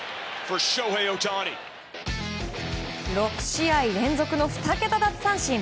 ６試合連続の２桁奪三振。